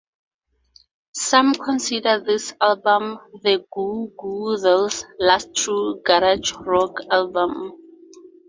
Some consider this album the Goo Goo Dolls' last true "garage rock" album.